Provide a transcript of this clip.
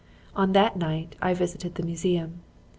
On that night I visited the museum.